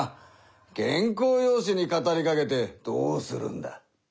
原稿用紙に語りかけてどうするんだ？